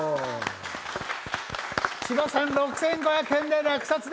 千葉さん６５００円で落札です。